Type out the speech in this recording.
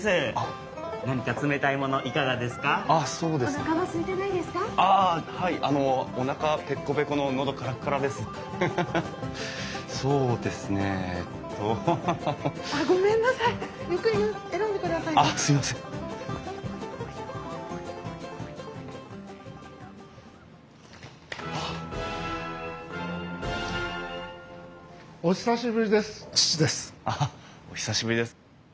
あっお久しぶりです。